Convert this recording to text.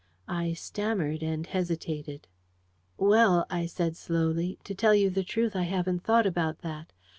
I stammered and hesitated. "Well," I said slowly, "to tell you the truth, I haven't thought about that.